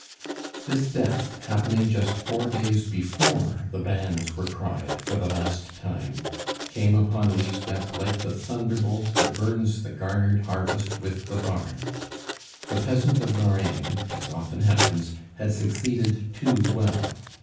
This death, happening just four days before the banns were cried for the last time, came upon Lisbeth like the thunderbolt that burns the garnered harvest with the barn. The peasant of Lorraine, as often happens, had succeeded too well.